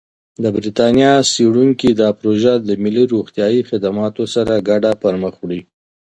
د بریتانیا څېړونکي دا پروژه د ملي روغتیايي خدماتو سره ګډه پرمخ وړي.